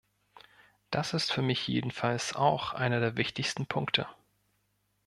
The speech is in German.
Das ist für mich jedenfalls auch einer der wichtigsten Punkte.